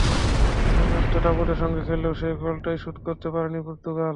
পুরো ম্যাচটা দাপটের সঙ্গে খেললেও সেই গোলটাই শোধ করতে পারেনি পর্তুগাল।